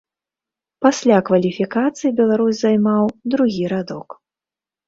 Пасля кваліфікацыі беларус займаў другі радок.